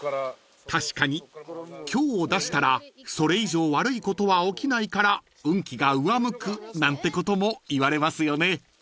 ［確かに凶を出したらそれ以上悪いことは起きないから運気が上向くなんてこともいわれますよね］